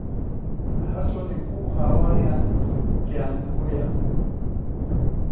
هەرچۆنێک بوو هاواریان گەیاندبوویە